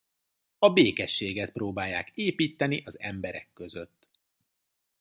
A békességet próbálják építeni az emberek között.